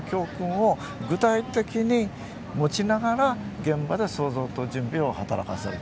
具体的に持ちながら現場では想像と準備を働かせる。